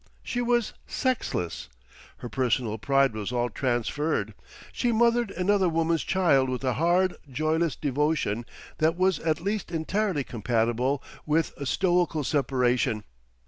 She was sexless, her personal pride was all transferred, she mothered another woman's child with a hard, joyless devotion that was at least entirely compatible with a stoical separation.